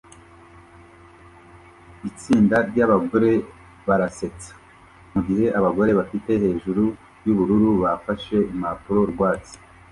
Itsinda ryabagore barasetsa mugihe abagore bafite hejuru yubururu bafashe impapuro rwatsi